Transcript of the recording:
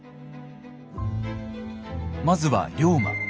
まずは龍馬。